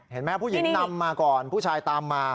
เห็นไหมผู้หญิงนำมาก่อนผู้ชายตามมา